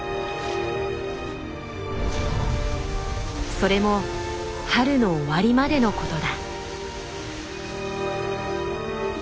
それも春の終わりまでのことだ。